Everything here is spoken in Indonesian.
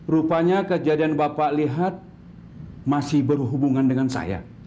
rupanya kejadian bapak lihat masih berhubungan dengan saya